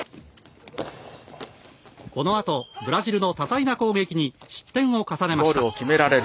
このあと、ブラジルの多彩な攻撃に失点を重ねました。